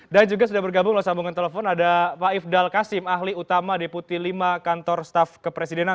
dan juga sudah bergabung lalu sambungan telepon ada pak ifdal kasim ahli utama deputi lima kantor staff kepresidenan